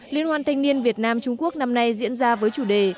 liên hoan thanh niên việt nam trung quốc năm nay diễn ra với chủ đề